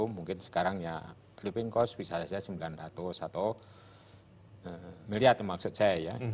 mungkin sekarang ya cliving cost bisa saja sembilan ratus atau miliar maksud saya ya